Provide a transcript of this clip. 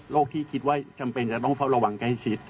ที่คิดว่าจำเป็นจะต้องเฝ้าระวังใกล้ชิด